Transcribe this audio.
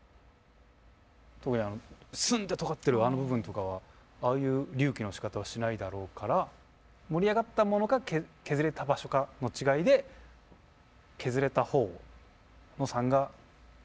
特にあのスンってとがってるあの部分とかはああいう隆起のしかたはしないだろうから盛り上がったものか削れた場所かの違いで削れた方の③が仲間はずれじゃないかと。